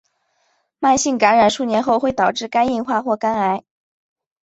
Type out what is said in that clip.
慢性感染数年后会导致肝硬化或肝癌。